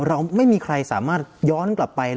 เราไม่มีใครสามารถย้อนกลับไป